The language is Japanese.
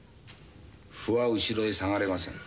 歩は後ろへ下がれません。